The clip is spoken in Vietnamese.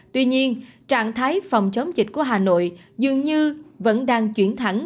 tuy nhiên trạng thái phòng chống dịch của hà nội dường như vẫn đang chuyển thẳng